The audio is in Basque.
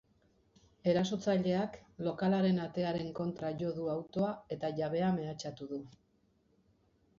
Erasotzaileak lokalaren atearen kontra jo du autoa eta jabea mehatxatu du.